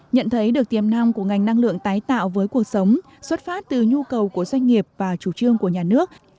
nhận thấy được tiềm năng của ngành năng lượng tái tạo với cuộc sống xuất phát từ nhu cầu của doanh nghiệp và chủ trương của nhà nước